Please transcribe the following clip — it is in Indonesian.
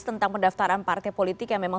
tentang pendaftaran partai politik yang memang